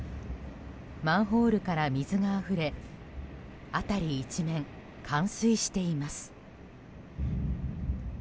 マンホールから水があふれ辺り一面、冠水しています。